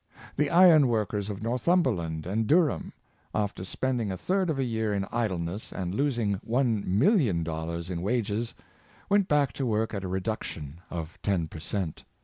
The iron workers of Northumberland and Durban, after spending a third of a year in idleness, and losing one million dollars in wages, went back to work at a reduction of ten per cent.